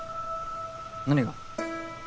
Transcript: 何が？